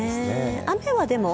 雨はでも。